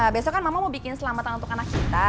besok kan mama mau bikin selamatan untuk anak kita